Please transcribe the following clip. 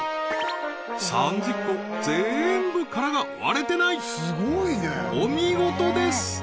３０個全部殻が割れてないお見事です！